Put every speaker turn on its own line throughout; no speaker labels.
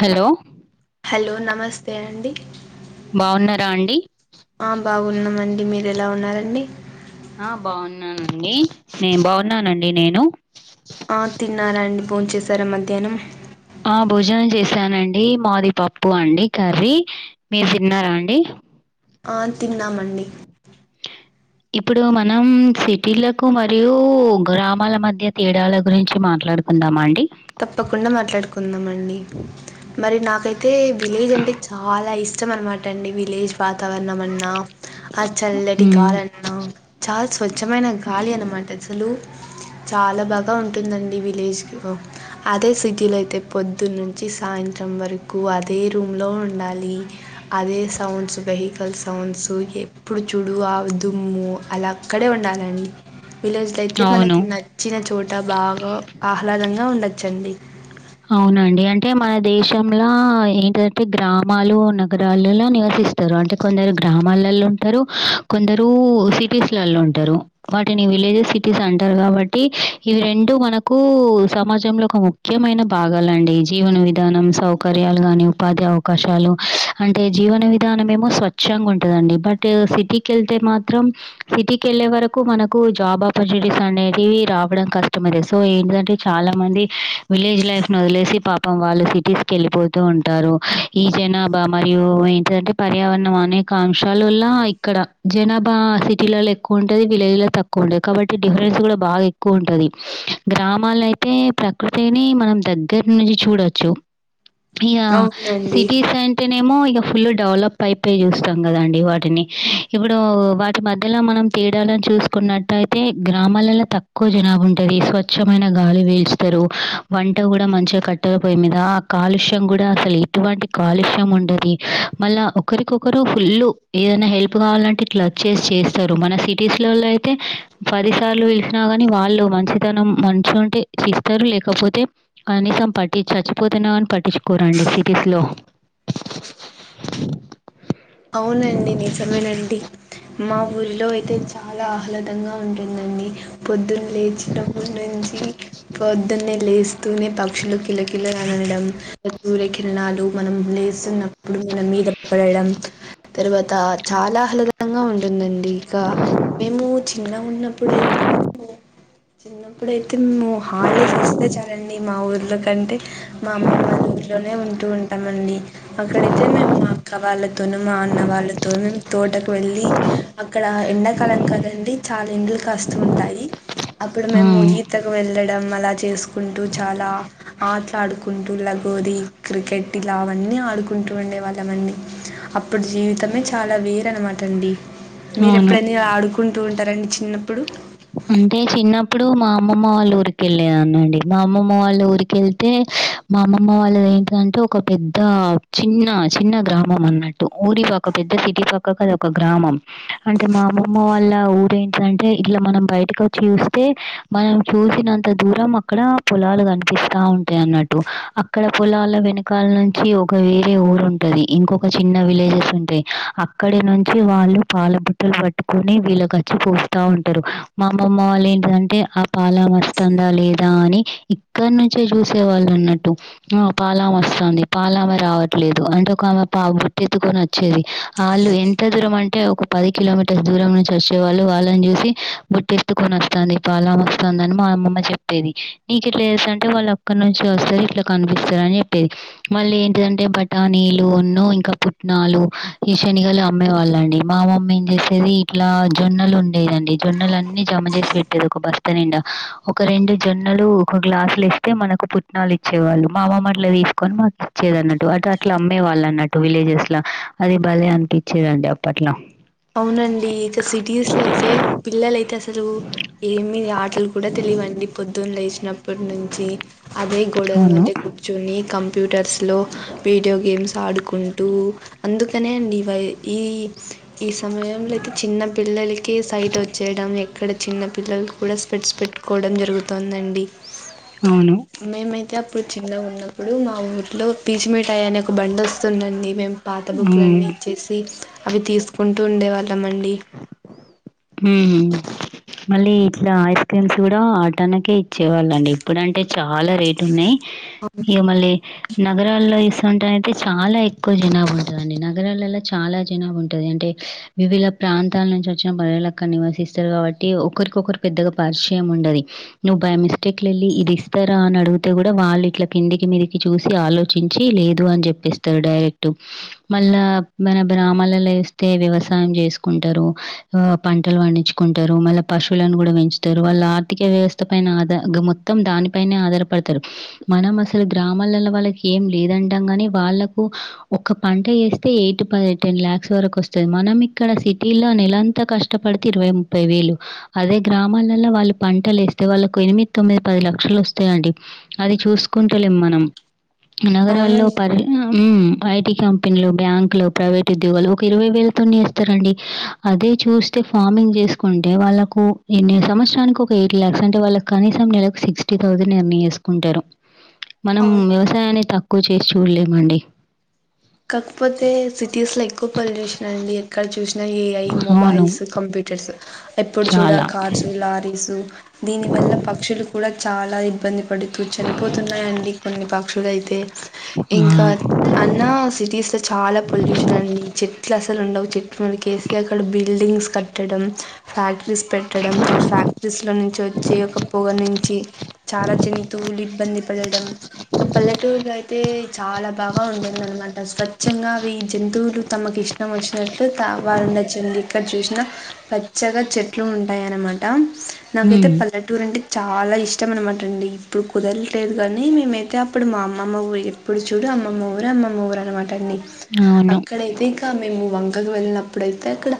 Hello
లో నమస్తే అండి
బావున్నారా అండి?
ఆ బావున్నామండి మీరు ఎలా ఉన్నారండి?
ఆ బావున్నానండి నే బావున్నానండి నేను
తేనం
సానండి మాది పప్పు అండి కర్రీ మీరు తిన్నార అండి?
ఆ తిన్నామండి
ఇప్పుడు మనం సిటీలకు, మరియు గ్రామాల మధ్య తేడాల గురించి మాట్లాడు కుందామాండి
తప్పకుండా మాట్లాడుకుందామండి. మరి నాకైతే విలేజ్ అంటే చాలా ఇష్టం అనమాట అండి విలేజ్ వాతావరణం అన్నా ఆ చల్లటి
ఉమ్,
గాలి అన్నా చాలా స్వచ్ఛమైన గాలి అనమాట అసలు చాలా బాగా ఉంటుందండి విలేజ్లో అదే సిటీలు అయితే పొద్దున్న నుంచి సాయంత్రం వరకు అదే రూమ్లో ఉండాలి. అదే సౌండ్స్ వెహికల్ సౌండ్స్ ఎప్పుడు చుడు ఆ దుమ్ము అలా అక్కడే ఉండాలండి విలేజ్లు అయితే
అవును
మనకి నచ్చిన చోట బాగా ఆహ్లాదంగా ఉండొచ్చండి.
అవునండి అంటే మన దేశంల ఏంటంటే గ్రామాలు నగరాలులో నివస్ ఇస్తారు అంటే కొందరు గ్రామాలలో ఉంటరు, కొందరు సిటీస్ల ఉంటారు. వాటిని విలేజెస్, సిటీస్ అంటారు కాబట్టి ఇవి రెండు మనకు సమాజంలో ఒక ముఖ్యమైన పాగాలండి జీవన విధానం సౌకర్యాలు గానీ ఉపాధి అవకాశాలు అంటే జీవన విధాన మనేమో స్వచ్ంగా ఉంటదండి బట్ సిటీకి వెళ్తే మాత్రం సిటీకి వెళ్ళే వరకు మనకు జాబ్ ఆపర్చునిటీస్ అనేది రావడం కష్టమది సో ఏంటంటే చాలా మంది విలేజ్ లైఫ్ వదిలేసి పాపం వాళ్ళు సిటీస్కి వెళ్ళిపోతూ ఉంటారు. ఈ జనాభా మరియు ఏంటంటే ప పర్యావరణం అనేక అంశాల వల్ల ఇక్కడ జనాభా సిటీలలో ఎక్కువ ఉంటది. విలేజ్ల తక్కువ ఉం లెక్కపేట్టి డిఫరెన్స్ కూడా బాగా ఎక్కువ ఉంటది. గ్రామాల్లో అయితే ప్రకృతిని మనం దగ్గర నుంచి చూడొచ్చు యా ఇక
అవునండి
సిటీస్ అంటేనేమో ఇక ఫుల్ డెవలప్ అయిపోయి చూస్తాం కదండి వాటిని ఇప్పుడు వాటి మధ్యలా మనం తీడాలని చూసుకున్నట్ అయితే గ్రామాలలో తక్కువ జనాభు ఉంటుది స్వచ్ఛమైన గాలి వేల్చతారు వం ట కూడా మంచిగా కట్టెలపోయి మీద ఆ కాలుష్యం కూడా అసలు ఎటువంటి కాలుష్యం ఉండది మళ్ళీ ఇలా ఒకరికొకరు ఫుల్ ఏదైనా హెల్ప్ కావాలంటే ఇట్లా చేసి చేస్తారు మన సిటీస్ లోల అయితే పదిసార్లు పలిసినా కాని వాళ్ళు మంచితనం మంచు అంటే చేస్తారు లేకపోతే కనీసం పట్టి చచ్చిపోతేన్నా అని పట్టించుకోరండి సిటీస్ లో
అవునండి నిజమేనండి మా ఊరిలో అయితే చాలా ఆహ్లాదంగా ఉంటుందండి. పొద్దున్న లేచినప్పుటి నుంచి పొద్దున్నే లేస్తూనే పక్షులు కిలకిల అనడం సూర్యకిరణాలు మనం లేస్తున్నప్పుడు మన మీద పడడం. తర్వాత చాలా ఆహ్లాదంగా ఉంటుందండి. ఇక మేము చిన్నగా ఉన్నప్పుడుయితే చిన్నప్పుడే తిమ్ము హాలిడేస్ వస్తే చాలండి మా ఊర్లో కంటే మా అమ్మమ్ వాళ్ళ ఊర్లోనే ఉంటూ ఉం పెట్టమండి అక్కడైతే మేము అక్క వాళ్ళ అన్న వాళ్ళతో మేం తోటకు వెళ్ళి అక్కడ ఎండాకాలం కదండి చాలా ఎండలు కాస్తు ఉంటాయి అప్పుడు మేము
ఉమ్,
ఈతకు వెళ్లడం అలా చేస్ కుంటూ చాలా ఆ ఆడుకుంటూ లాగోరి క్రికెట్ ఇలా అవన్నీ ఆడుకుంటూ ఉండేవాళ్ళమండి అప్పుడు జీవితమే చాలా వేర అనమాటండి మీరు
అవును
ఎప్పుడని ఆడుకుంటూ ఉంటార అండి చిన్నప్పుడు
అంటే చిన్నప్పుడు మా అమ్మమ్మ వాళ్ళు ఊరికి వెళ్ళేదాన్ని అండి మా అమ్మమ్మ వాళ్ళ ఊరికి వెళ్తే మా అమ్మమ్మ వాళ్ళది ఏంటంటే ఒక పెద్ద చిన్న చిన్న గ్రామం అన్నట్టు ఊరి ఒక పెద్ద సిటీ పక్క అద ఒక గ్రామం అంటే మా అమ్మమ్మ వాళ్ళ ఊరేంటంటే ఇలా మనం బయటకు వచ్చి చూస్తే మనం చూసినంత దూరం అక్కడ పొలాలు కనిపిస్తా ఉం అన్నట్టు అక్కడ పొలాల వెనకాల నుంచి ఒక వేరే ఊరుంటది ఇంకొక చిన్న విలే అక్కడి నుంచి వాళ్ళు పాల బుట్టలు పట్టుకొని వీళ్ళకచ్చి పూస్తా ఉన్ మా అమ్మమ్మ వాళ్ళు ఏంటంటే ఆ పాల వస్తాందా లేదా అని ఇక్కనుంచే చూ చూసేవాళ్ళు ఉన్నట్టు ఆ పాలామె వస్తాంది పాల ఆమె రావట్లేదు అంటే ఒక ఆమె పా బుట్ట ఎత్తుకు వచ్చేది వాళ్ళు ఎంత దూరం అంటే ఒక పది కిలోమీటర్స్ దూరం నుంచి వచ్చే వాళ్ళు వాళ్ళని చూసి బుట్టి ఎత్తుకొని వస్తాంది పాలామె వస్తాంది అని మా అమ్మమ్మ చెప్పేది నీకిట్లా చేస్తాంటే వాళ్ళక్క వస్తది ఇట్లా కనిపిస్తారని చెప్పేది మళ్ళీ ఏంటిదంటే బటానీలున్ను ఇంకా పుట్న నాలుగు ఈ శనిగలు అమ్మే వాళ్ళ అండి మా మమ్మీ ఏం జేసేది ఇట్లా జొన్నలు ఉండేదండి జొన్నలు అన్నీ జమ చేసి పెట్టేది ఒక బస్తా నిండా ఒక రెండు జొన్నలు ఒక గ్లాసులు ఇస్తే మనకు పుట్నాలు ఇచ్చేవాళ్ళు మా అమ్మమ్మ అట్ల తీసుకొని ఇచ్చేది అన్నట్టు అట అట్లా అమ్మే వాళ్ళు అన్నట్టు విలేజెస్ లా అది భలే అనిపించేదండి అప్పట్లా
అవునండి ఇక సిటీస్ లో అయితే పిల్లలయితే అసలు ఏమి ఆటలు కూడా తెలు వండి పొద్దున్న లేచినప్పు నుంచి అదే గోడల
అవును.
మధ్య కూర్చొని కం కంప్యూటర్స్లో వీడియో గేమ్స్ ఆడుకుంటూ అందుకనే అండి ఈ ఈ సమయంలో అయితే చిన్న పిల్లలకి సైట్ వచ్చేయడం ఎక్కడ చిన్న పిల్లలు కూడా స్పెట్స్ పెట్టుకోవడం జరుగుతొందండి
అవును.
మేమైతే ఇప్పుడు చిన్నగ ఉన్నప్పుడు మా ఊరిలో పీచు మిఠాయ్ అనే ఒక బండి వస్తుందండి మేము పాత బుక్కులు అన్నీ
హ్మ్.
ఇచ్చేసి అవి తీసుకుంటూ ఉండేవాళ్ళం అండి
హుమ్ మళ్ళీ ఇట్లా ఐస్ క్రీమ్స్ కూడా ఆటాన్నకే ఇ వచ్చేవాళ్ళండి ఇప్పుడు అంటే చాలా రేట్ ఉన్నయ్ ఇగ మళ్ళీ నగరాల్లో ఇస్ అంటా అయితే చాలా ఎక్కువ జనాభా ఉంటది అండి నగరాలలో చాలా జనాభా ఉంటది అంటే వివిధ ప్రాంతాల నుంచి వచ్చిన బజలకు అక్కడ నివసిస్తారు కాబట్టి ఒకరికొకరు పెద్దగా పరిచయం ఉండది నువ్వు బై మిస్టేక్ లో ఎళ్ళి ఇది ఇస్తారా అని అడిగితే కూడా వాళ్ళు ఇట్లా కిందికి మీదికి చూసి ఆలోచించి లేదు అని జెప్పేస్తారు డైరెక్ట్ మళ్ళా మన బ్రామాలలో ఏస్తే వ్యవసాయం చేసుకుంటరు పంటలు పండించుకుంటరు మళ్ళ పశువులను కూడా పెంచుతారు వాళ్ళ ఆర్థిక వ్యవస్థ పైన ఆద గ మొత్తం దాన్ ద పైనే ఆధారపడతారు మనం అసలు గ్రామాలల్లో వాళ్ళకి ఏం లేదంటాం గాని వాళ్ళకు ఒక్క పంట ఏస్తే ఎయిట్ పది టెన్ లాక్స్ వరకు వస్తుంది మనం ఇక్కడ సిటీలో నెలంత కష్ కష్టపడితే ఇరవై ముప్పై వేలు అదే గ్రామాలల్లో వాళ్ళు పంటలు ఏస్తే వాళ్ళకు ఎనిమిది తొమ్మిది పది లక్షలు వస్తాయండి అది చూసుకుంటలేం మనం నగరాల్లో
అవునండి
పరిన ఉమ్ ఐటి కంపెనీలు బ్యాంకులు ప్రైవేట్ ఉద్యోగాలు ఒక ఇరవై వేలతోనే ఏస్తారండి అదే చూస్ ఫార్మింగ్ చేసుకుంటే వాళ్ళకు ఎన్ని సంవత్సరానికి ఒక ఎయిట్ ల్యాక్స్ అంటే వాళ్ళకి కనీసం నెలకు సిక్స్టీ థౌసండ్ ఎర్న్ చేసుకుంటారు మనం
అవును
వ్యవసాయాన్ని తక్కువ చేసి చూలేమండి
కాక్పోతే సిటీస్లో ఎక్కువ పొల్యూషన్ అండి ఎక్కడ చూసినా ఏఐ
అవును.
మొబైల్స్, కంప్యూ టర్స్ ఎప్పుడు చూడా
చాలా.
కార్స్, లారీస్ దీని వల్ల పక్షులు కూడా చాలా ఇబ్బంది పడుతూ చనిపోతున్నాయండి కొన్ని పక్షులైతే
ఆ!
ఇంకా అన్నా సిటీస్లో చాలా పొల్యూషన్ అండి చెట్లు అసలుండవు చెట్లు మన కేసీఆర్ గాడు బి బిల్డింగ్స్ కట్టడం ఫ్యాక్ రీస్ పెట్టడం ఆ ఫ్యాక్టరీస్లో నుంచి వచ్చే ఒక పొగ నుంచి చాలా జంతువులు ఇబ్బ ది పడడం ఇంక పల్లెటూర్లో అయితే చాలా బాగా ఉంటుందన్మ ట స్వచ్ఛంగా అవి జంతువులు తమకిష్టం వచ్చినట్లు త వారు నచ్చింది ఇక్కడ్ చూసిన పచ్చగ చెట్లు ఉంటాయన్నమాట నాకైతే
హ్మ్.
పల్లెటూరంటే చాలా ఇష్టమన్నమాట అండి ఇప్పుడు కుదర్లేదు గానీ మేమైతే అప్పుడు మా అమ్మమ్మ ఊర్ ఎప్పుడు చూడు అమ్మమ్మ ఊర్ అమ్మమ్మ ఊర్ అన్నమాట అండి
అవును.
అక్కడైతే ఇక మేము వంకకు వెళ్ళిన అప్పుడైతే అక్కడ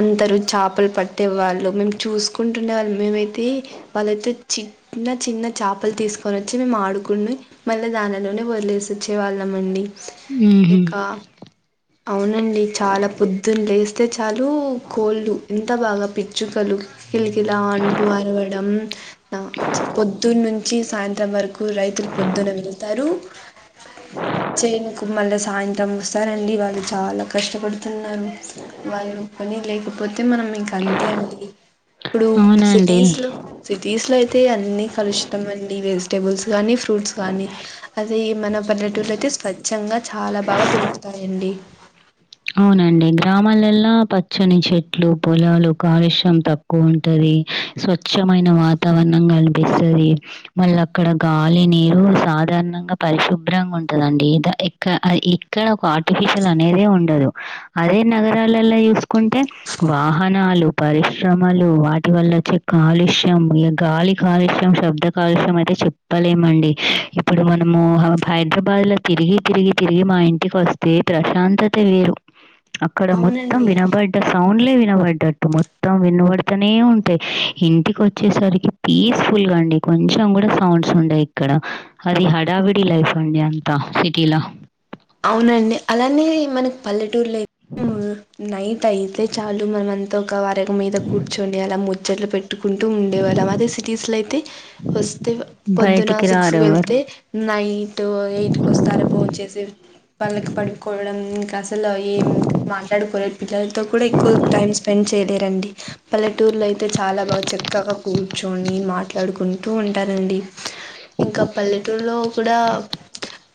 అందరు చాపల్ పట్టే వాళ్ళు మేం చూస్కుంటుండే వాళ్ మేమైతే వాళ్ళైతే చిన్న చిన్న చాపల్ తీస్కోన్ వచ్చి మేం ఆడుకుని మళ్ళీ దానలోనే వదిలే సొచ్చే వాళ్ళమండి.
హుహు.
ఇంకా అవునండి చాలా పొద్దున్ లేస్తే చాలు కోళ్ళు ఇంత బాగా పిచ్చుకలు కిలకిలా అంటూ అరవడం న పొద్దున్నుంచి సాయంత్రం వరకు రైతులు పొద్దున వెల్తారు చేనుకు మళ్ళ సాయంత్రం వస్తారండి వాల్ లు చాలా కష్టపడుతున్నారు వాళ్ళు పని లేకపోతే మనం ఇంక అంతే అండి ఇప్పుడు
అవునా అండి?
సిటీస్లో సిటీస్లో అయితే ఈ అన్నీ కలుషితమండి వెజిటేబుల్స్ గానీ ఫ్రూట్స్ గానీ అదే ఈ మన పల్లెటూర్లైతే స్వచ్ఛంగా చాలా బాగా దొరుకుతాయండి.
గ్రామాలల్ల పచ్చని చెట్లు, పొలాలు, కాలుష్యం తక్కో ఉంటది స్వచ్ చ్చమైన వాతావరణం కనిపిస్తది. మళ్ళ అక్కడ గాలి, నీరు సాధారణంగా ప పరి శుభ్రం గుంటదండి ఇద ఇక్క ఆ ఇక్కడ ఒక ఆర్టిఫిషియల్ అనేదే ఉండదు. అదే నగరాలల్ల చూస్కుంటే వాహనాలు, పరిశ్రమలు వాటి వల్ల చెక్ కాలుష్యం ఇగ గాలి కాలుష్యం, శబ్ద కాలుష్యం అయితే చెప్పలేమండి. ఇప్పుడు మనము
అవునండి
హా హైదరాబాద్ల తిరిగి తిరిగి తిరిగి మా ఇంటికొస్తే ప్రశాంతతే వేరు అక్కడ మొత్తం
అవునండి
వినబడ్డ సౌండ్ డే వినబడ్డట్టు మొత్తం వినబడతనే ఉంటయి ఇంటికొచ్చేసరికి పీస్ఫుల్గా అం డి కొంచం గుడా సౌండ్స్ ఉండయి ఇక్కడ హది హడావిడి లైఫ్ అండి అంత సిటీలా
అవునండి అలానే మనక్ పల్లెటూర్లై నైట్ అయితే చాలు మనమంత ఒక వరగ మీద కూర్చోని అలా ముచ్చట్లు పెట్టుకుంటూ ఉండేవాళ్ళం అదే సిటీస్లో అయితే ఫస్ట్ పొద్దున్న
బయటికి
సిక్స్కు
రారెవరు.
వెళ్తే నై ఎటు పోయి ఈటికొస్తారే భోన్ చేసి పళ్ళకి పడుకోవడం ఇం అసల ఏం మాట్లాడుకోలేర్ పిల్లల్తో కూడా ఎక్కువ టైం స్పెండ్ చేయలేరండి పల్లెటూర్ లో అయితే చాలా బాగా చక్కగ కూర్చోని మాట్లాడుకుంటూ ఉంటారండి. ఇంకా పల్లెటూర్లో కూడా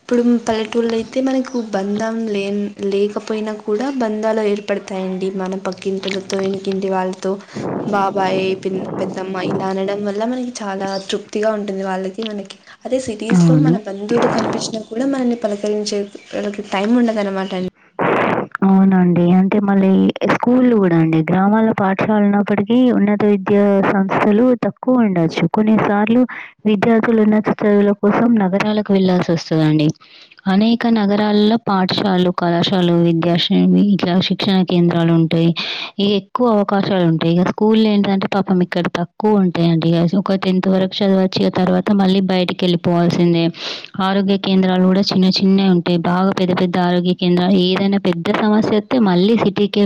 ఇప్పుడు పల్లెటూర్లై తే మనకు బంధం లేన్ లేకపోయినా కూడా బంధాలు ఏర్పడతాయండి మన పక్కింటి వాళ్ళతో ఎన్కింటి వాళ్ళతో బాబాయ్, పిన్ పెద్దమ్మ ఇలా అనడం వల్ల మనకి చాలా తృప్తిగా ఉంటుంది వాళ్ళకి మనకి అదే సిటీస్లో మన
అవును.
బంధువులు కనిపిచ్చిన కూడా మనల్ని పలకరించే వాళ్లకి టైమ్ ఉండదన్నమాట అం
డి అంటే మళ్ళీ స్కూళ్లు గుడా అండి గ్రామల్లో పాఠశాల ఉన్నప్పటికీ ఉన్నత విద్యా సంస్ లో తక్కువ ఉండొచ్చు కొన్ని సార్లు విద్యార్థులు ఉన్నత చదువుల కోసం నగరాలకు వెళ్ళ వస్తుందండి అనేక నగరాల్లో పాఠశాలలు కళాశాల విద్యాశ్రవి ఇలా శిక్షణ కేంద్రాలు ఉంటాయి ఇక ఎక్కువ అవకాశాలు ఉంటాయి ఇక స్కూల్ ఏంటంటే పాపం ఇక్కడ తక్కువ ఉంటాయిండి ఒక టెన్త్ వరకు చదివ వచ్చి తర్వాత మళ్ళీ బయటికి వెళ్ళిపోవల్సిందే ఆరోగ్య కేంద్రాలు కూడా చిన్న చిన్నవి ఉంటాయి బాగా పెద్ద పెద్ద ఆరోగ్య కేంద్రాలు ఏదైనా పెద్ద సమస్య మళ్లి సిటీకి